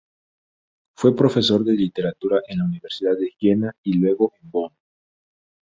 Fue profesor de literatura en la universidad de Jena y luego en Bonn.